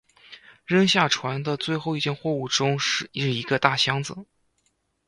扔下船的最后一件货物中是一个大箱子。